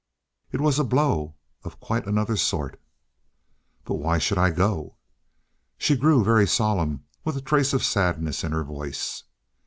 It was a blow of quite another sort. "But why should I go?" She grew very solemn, with a trace of sadness in her voice.